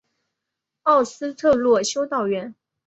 奥斯特洛修道院。